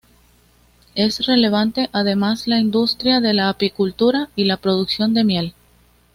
Es relevante además la industria de la apicultura y la producción de miel.